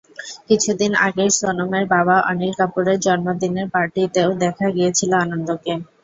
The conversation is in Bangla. কিছুদিন আগে সোনমের বাবা অনিল কাপুরের জন্মদিনের পার্টিতেও দেখা গিয়েছিল আনন্দকে।